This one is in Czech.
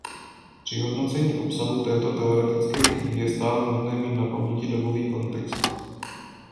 Při hodnocení obsahu této teoretické knihy je stále nutné mít na paměti dobový kontext.